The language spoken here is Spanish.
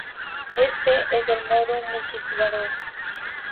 Éste es el modo multijugador.